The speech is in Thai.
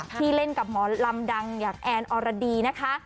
ที่เล่นกับหมอลำดังอย่างแอนอรดีนะคะ